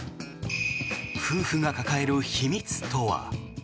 夫婦が抱える秘密とは？